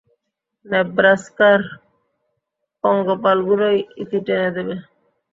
নেব্রাস্কার পঙ্গপালগুলোই ইতি টেনে দেবে।